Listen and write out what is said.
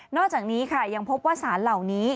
อกจากนี้ค่ะยังพบว่าสารเหล่านี้